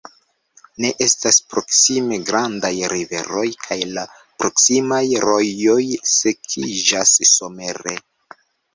Ne estas proksime grandaj riveroj kaj la proksimaj rojoj sekiĝas somere.